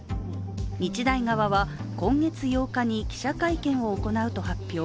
日大側は今月８日に記者会見を行うと発表。